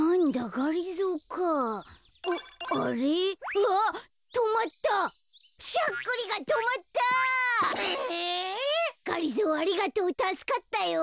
がりぞーありがとう。たすかったよ。